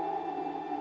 pertama maya hamil